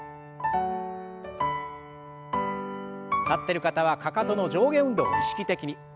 立ってる方はかかとの上下運動を意識的に。